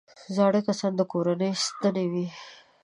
زاړه کسان د کورنۍ ستنې وي